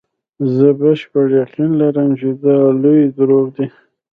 زه بشپړ یقین لرم چې دا لوی دروغ دي.